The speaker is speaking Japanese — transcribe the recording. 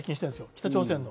北朝鮮の。